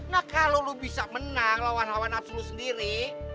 nah kalau lo bisa menang lawan lawan abs lu sendiri